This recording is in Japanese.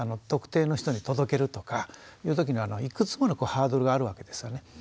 特定の人に届けるとかいう時にはいくつものハードルがあるわけですよね。